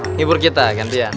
ngibur kita gantian